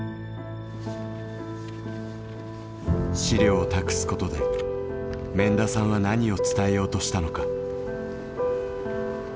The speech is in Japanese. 資料を託すことで免田さんは何を伝えようとしたのか。